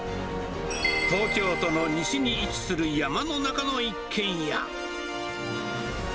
東京都の西に位置する山の中の一軒家。